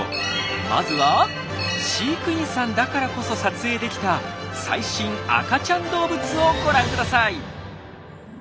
まずは飼育員さんだからこそ撮影できた最新赤ちゃん動物をご覧ください！